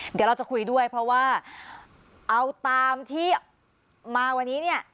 เดี๋ยวเราจะคุยด้วยเพราะว่าเอาตามที่มาวันนี้เนี่ย